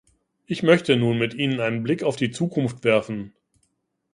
Ich möchte nun mit Ihnen einen Blick auf die Zukunft werfen.